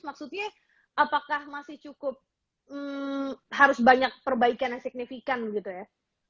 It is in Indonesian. maksudnya apakah masih cukup harus banyak perbaikan yang signifikan gitu ya